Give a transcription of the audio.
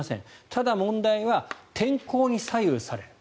ただ、問題は天候に左右される。